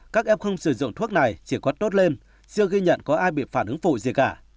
các em không sử dụng thuốc này chỉ có tốt lên siêu ghi nhận có ai bị phản ứng phụ gì cả